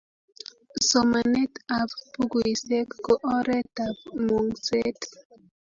Somanet ap pukuisyek ko oret ap mung'set